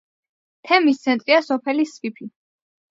თემის ცენტრია სოფელი სვიფი.